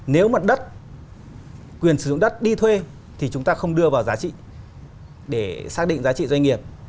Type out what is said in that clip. nếu mà đất quyền sử dụng đất đi thuê thì chúng ta không đưa vào giá trị để xác định giá trị doanh nghiệp